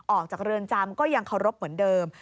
ออกจากเรือนจำก็ยังเคารพเหมือนเดิม